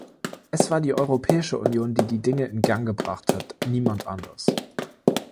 Es war die Europäische Union, die die Dinge in Gang gebracht hat, niemand anders.